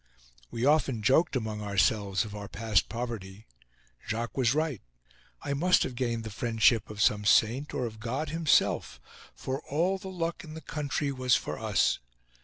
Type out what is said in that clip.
We often joked among ourselves of our past poverty. Jacques was right. I must have gained the friendship of some saint or of God himself, for all the luck in the country was for us.